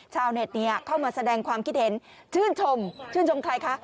ชาวเน็ตเข้ามาแสดงความคิดเห็นชื่นชมชื่นชมใครคะ